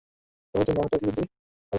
কাগজটি মার্কসবাদী অবস্থান ছিল।